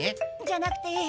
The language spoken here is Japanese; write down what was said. じゃなくて。